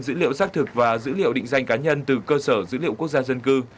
dữ liệu xác thực và dữ liệu định danh cá nhân từ cơ sở dữ liệu quốc gia dân cư